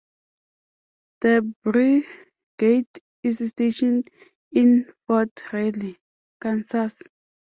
The brigade is stationed in Fort Riley, Kansas.